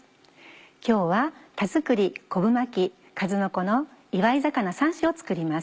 今日は田作り昆布巻きかずのこの「祝い肴３種」を作ります。